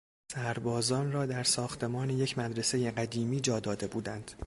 سربازان را در ساختمان یک مدرسهی قدیمی جا داده بودند.